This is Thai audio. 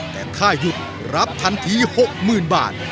แต่ค่าหยุดรับทันที๖๐๐๐บาท